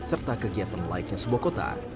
serta kegiatan laiknya sebuah kota